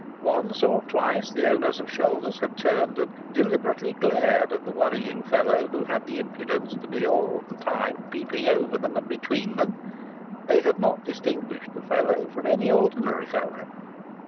Once or twice the owners of shoulders had turned and deliberately glared at the worrying fellow who had the impudence to be all the time peeping over them and between them; they had not distinguished the fellow from any ordinary fellow.